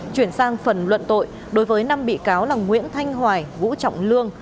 chuyển sang phần luận tội đối với năm bị cáo là nguyễn thanh hoài vũ trọng lương